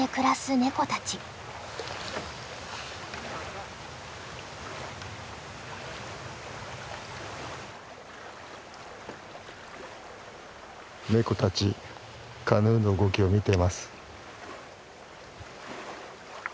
ネコたちカヌーの動きを見ています。